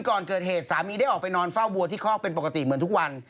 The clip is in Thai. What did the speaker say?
ก่อนเกิดเหตุสามีได้ออกไปนอนเฝ้าวัวที่คอกเป็นปกติเหมือนทุกวัน